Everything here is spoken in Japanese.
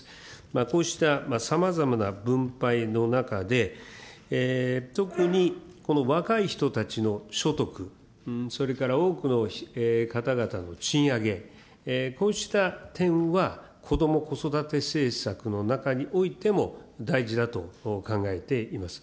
こうしたさまざまな分配の中で、特にこの若い人たちの所得、それから多くの方々の賃上げ、こうした点は、こども・子育て政策の中においても大事だと考えています。